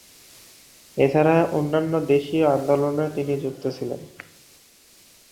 এছাড়া অন্যান্য দেশীয় আন্দোলনেও তিনি যুক্ত ছিলেন।